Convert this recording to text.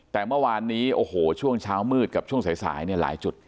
แต่เมื่อวานนี้โอ้โหช่วงเช้ามืดกับช่วงสายเนี่ยหลายจุด